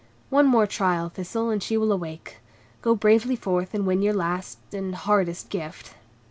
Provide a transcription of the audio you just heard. "One more trial, Thistle, and she will awake. Go bravely forth and win your last and hardest gift."